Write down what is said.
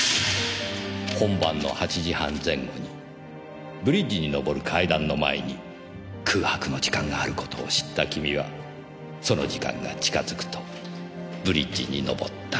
本番の８時半前後にブリッジに上る階段の前に空白の時間がある事を知った君はその時間が近づくとブリッジに上った。